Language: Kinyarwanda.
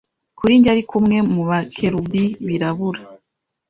Kuri njye ariko umwe mu bakerubi birabura